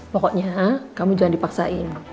pokoknya kamu jangan dipaksain